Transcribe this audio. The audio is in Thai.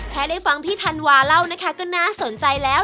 แค่ได้ฟังพี่ธันวาเล่านะคะก็น่าสนใจแล้ว